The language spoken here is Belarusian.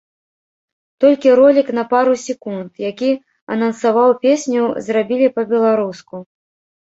Толькі ролік на пару секунд, які анансаваў песню, зрабілі па-беларуску.